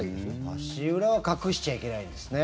足裏は隠しちゃいけないんですね。